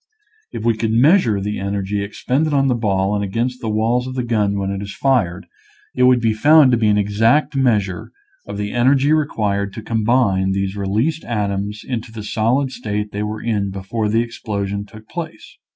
If we could measure the energy ex pended on the ball and against the walls of the gun when it is fired it would be found to be an exact measure of the energy required to combine these released atoms into the solid state they were in before the explosion took place.